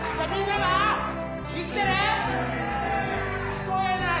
聞こえない！